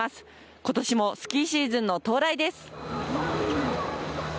ことしもスキーシーズンの到来です。